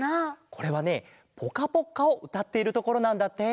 これはね「ぽかぽっか」をうたっているところなんだって。